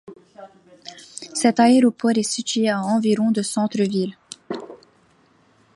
Cet aéroport est situé à environ du centre-ville.